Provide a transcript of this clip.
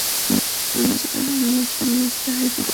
মুসলমানরা মুতায় পৌঁছল।